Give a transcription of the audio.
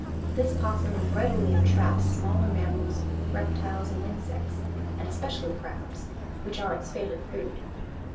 This opossum readily entraps smaller mammals, reptiles, and insects, and especially crabs, which are its favorite food.